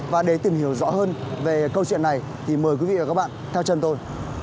và để tìm hiểu rõ hơn về câu chuyện này thì mời quý vị và các bạn theo chân tôi